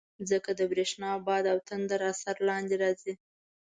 مځکه د برېښنا، باد او تندر اثر لاندې راځي.